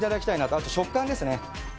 あと食感ですね。